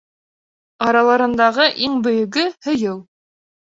Араларында иң бөйөгө — һөйөү.